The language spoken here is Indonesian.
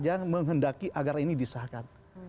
yang menghendaki agar ini disahkan